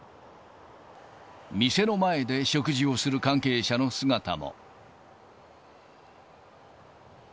店の前で食事をする関係者の姿も。